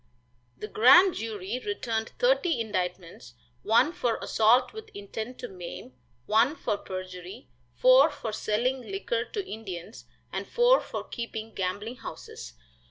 The grand jury returned thirty indictments, one for assault with intent to maim, one for perjury, four for selling liquor to Indians, and four for keeping gambling houses.